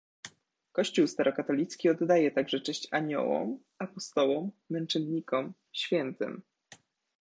Kościół Starokatolicki oddaje także cześć aniołom, apostołom, męczennikom, świętym.